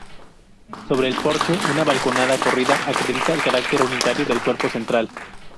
Sobre el porche, una balconada corrida acrecienta el carácter unitario del cuerpo central.